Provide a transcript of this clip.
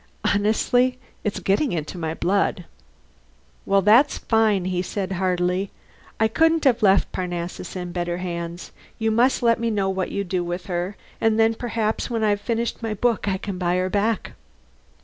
Honestly, it's getting into my blood." "Well, that's fine," he said heartily. "I couldn't have left Parnassus in better hands. You must let me know what you do with her, and then perhaps, when I've finished my book, I can buy her back."